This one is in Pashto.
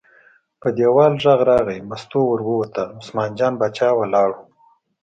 په دیوال غږ راغی، مستو ور ووته، عثمان جان باچا ولاړ و.